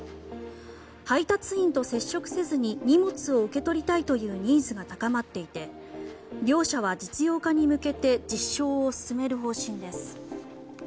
配達員と接触せずに荷物を受け取りたいというニーズが高まっていて両社は、実用化に向けて実証を進める方針です。